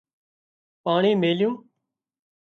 پاڻي ميليُون